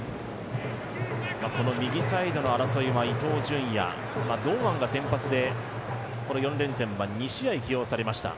この右サイドの争いが伊東純也堂安が先発で４連戦は２試合起用されました。